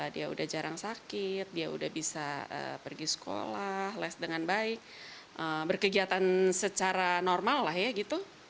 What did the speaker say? dia udah jarang sakit dia udah bisa pergi sekolah les dengan baik berkegiatan secara normal lah ya gitu